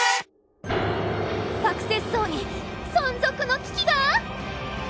「サクセス荘」に存続の危機が！？